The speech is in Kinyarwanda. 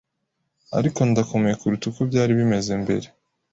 Ariko ndakomeye kuruta uko byari bimeze mbere